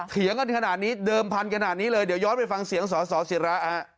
เถียงกันขนาดนี้เดิมพันธุขนาดนี้เลยเดี๋ยวย้อนไปฟังเสียงสสิระฮะ